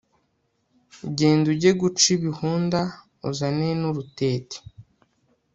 genda ujye guca ibihunda uzane nurutete